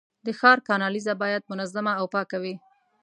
د ښار کانالیزه باید منظمه او پاکه وي.